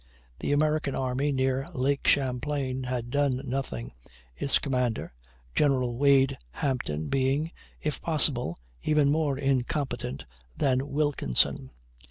The American army near Lake Champlain had done nothing, its commander, General Wade Hampton, being, if possible, even more incompetent than Wilkinson.